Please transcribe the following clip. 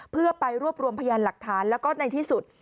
เพื่อไปรวบรวมพยานหลักฐานแล้วก็ในที่สุด